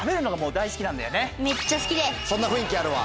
そんな雰囲気あるわ。